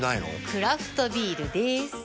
クラフトビールでーす。